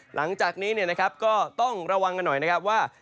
หลังจากนี้เนี่ยนะครับก็ต้องระวังกันหน่อยนะครับว่า